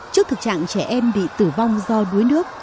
trước thực trạng trẻ em bị tử vong do đuối nước